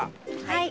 はい。